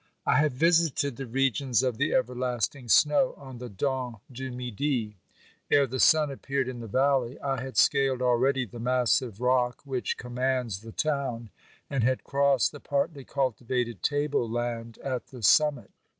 I have visited the regions of the everlasting snow, on the Dent du Midi. Ere the sun appeared in the valley I had scaled already the massive rock which commands the town, and had crossed the partly cultivated table land at the summit.